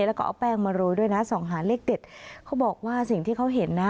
แล้วก็เอาแป้งมาโรยด้วยนะส่องหาเลขเด็ดเขาบอกว่าสิ่งที่เขาเห็นนะ